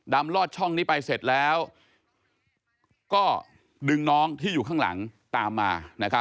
ลอดช่องนี้ไปเสร็จแล้วก็ดึงน้องที่อยู่ข้างหลังตามมา